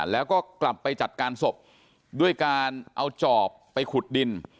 แล้วก็กลับไปจัดการศพด้วยการเอาจอบไปขุดดิน